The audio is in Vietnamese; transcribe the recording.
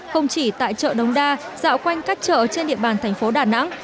không chỉ tại chợ đống đa dạo quanh các chợ trên địa bàn thành phố đà nẵng